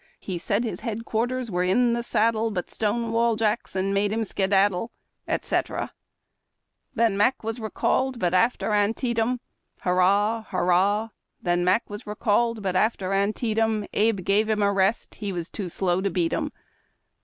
He said his headquarters were in the saddle, But Stonewall Jackson made him skedaddle. Then Mac was recalled, but after Antietam, Hurrah ! Hurrah ! Then Mac was recalled, but after Antietam Abe gave him a rest, he was too slow to beat 'em.